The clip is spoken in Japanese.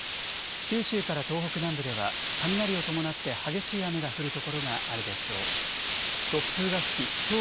九州から東北南部では雷を伴って激しい雨が降る所があるでしょう。